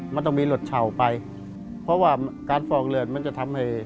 มันต้องมีรถเฉาไปเพราะว่าการฟอกเลือดมันจะทำให้